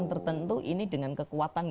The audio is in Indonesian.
ttentu ini dengan kekuatan